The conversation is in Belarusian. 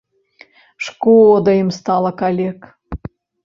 Шкода ім стала калек.